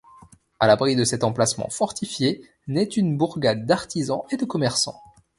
À l’abri de cet emplacement fortifié nait une bourgade d’artisans et de commerçants.